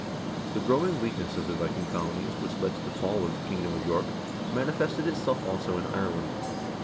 The growing weakness of the Viking colonies, which led to the fall of the kingdom of York, manifested itself also in Ireland.